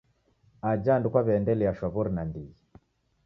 Aja andu kwaw'iaendelia shwaw'ori nandighi.